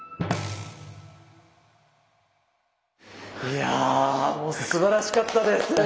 いやもうすばらしかったです！